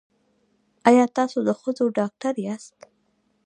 ایا تاسو د ښځو ډاکټر یاست؟